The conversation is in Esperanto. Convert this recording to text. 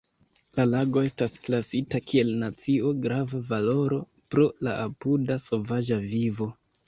La lago estas klasita kiel nacio-grava valoro pro la apuda sovaĝa vivo.